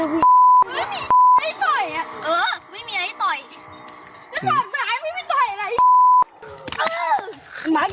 มึงช่วยสอนที่หน้าย